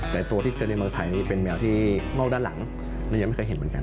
แต่ตัวที่เจอในเมืองไทยนี่เป็นแมวที่งอกด้านหลังเรายังไม่เคยเห็นเหมือนกัน